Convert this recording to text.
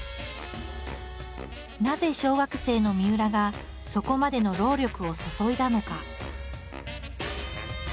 なぜ小学生のみうらがそこまでの労力を注いだのか。